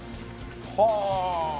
はあ！